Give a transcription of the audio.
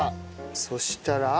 そしたら。